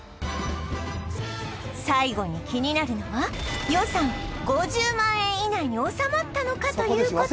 最後に気になるのは予算５０万円以内に収まったのかという事